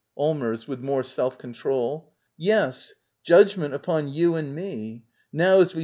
Allmers. [With more self control.] Yes. ^. Judgment upon you and me. Npw^. a? J?S?